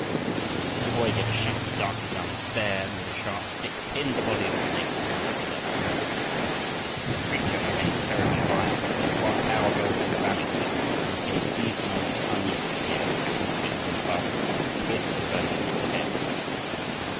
The boy gave a shout, darted down the stair, and with a sharp stick, pinned the body of the snake to the wall below. The creature became terribly violent, but Koa Kau held on valiantly and Mackay seized an old Chinese spear that happened to be in the room above and pierced the serpent through the head.